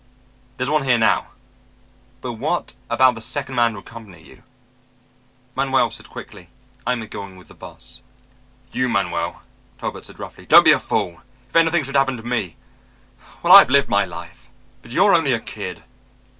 There's one here now. But what about the second man to accompany you?" Manuel said quickly, "I'm going with the boss." "You, Manuel," Talbot said roughly. "Don't be a fool. If anything should happen to me well, I've lived my life; but you're only a kid."